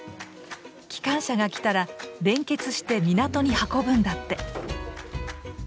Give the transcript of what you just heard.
機関車が来たら連結して港に運ぶんだって。